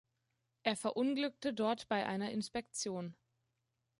Er verunglückte dort bei einer Inspektion.